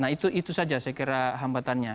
nah itu saja saya kira hambatannya